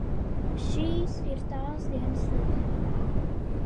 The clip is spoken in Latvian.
Šīs ir tās dienas nedēļā.